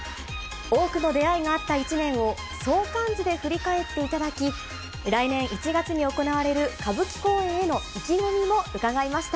多くの出会いがあった一年を、相関図で振り返っていただき、来年１月に行われる歌舞伎公演への意気込みも伺いました。